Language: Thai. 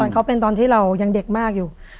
เขาเป็นตอนที่เรายังเด็กมากอยู่